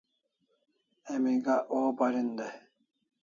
Emi gak waw parin dai